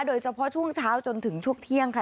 โดยเฉพาะช่วงเช้าจนถึงช่วงเที่ยงค่ะ